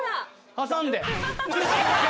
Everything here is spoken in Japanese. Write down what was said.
挟んで。